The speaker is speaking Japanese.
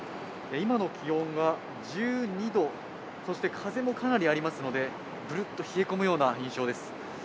今の気温が１２度そして風もかなりありますのでぶるっと冷え込むような印象です。